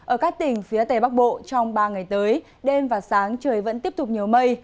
ở các tỉnh phía tây bắc bộ trong ba ngày tới đêm và sáng trời vẫn tiếp tục nhiều mây